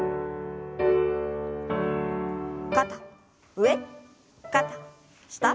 肩上肩下。